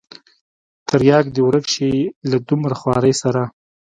ترياک دې ورک سي له دومره خوارۍ سره.